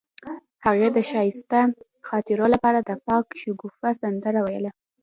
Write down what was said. هغې د ښایسته خاطرو لپاره د پاک شګوفه سندره ویله.